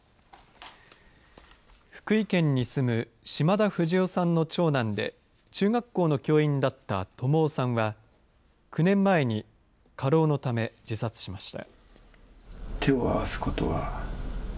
福井県に住む嶋田富士男さんの長男で中学校の教員だった友生さんは９年前に過労のため自殺しました。